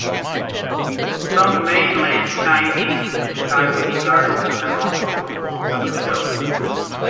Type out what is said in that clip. Some mainland Chinese and Taiwanese artists have also performed on the show.